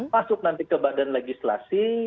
masuk nanti ke badan legislasi